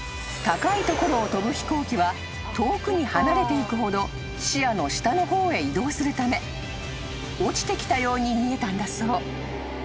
［高い所を飛ぶ飛行機は遠くに離れていくほど視野の下の方へ移動するため落ちてきたように見えたんだそう］